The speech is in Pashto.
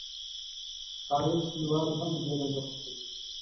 عارف شینواری هم په دې رنځ اخته دی.